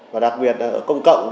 và đặc biệt là ở công cộng